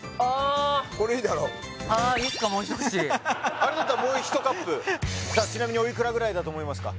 あれだったらもう１カップさあちなみにおいくらぐらいだと思いますか？